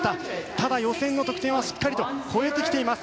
ただ、予選の得点はしっかり超えてきています。